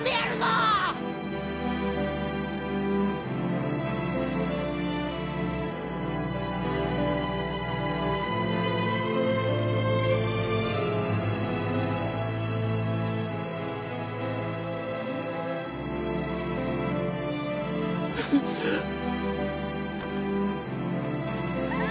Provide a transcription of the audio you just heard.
あっ。